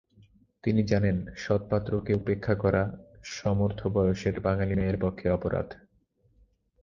তিনি জানেন সৎপাত্রকে উপেক্ষা করা সমর্থবয়সের বাঙালি মেয়ের পক্ষে অপরাধ।